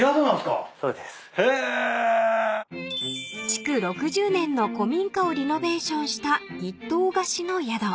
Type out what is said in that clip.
［築６０年の古民家をリノベーションをした一棟貸しの宿］